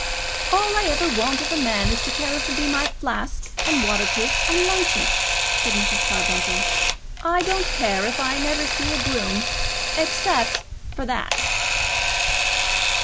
"All I ever want of a man is to carry for me my flask, and waterproof, and luncheon," said Mrs. Carbuncle. "I don't care if I never see a groom, except for that."